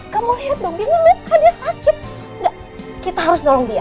kamu lihat dong dia menuka dia sakit kita harus nolong dia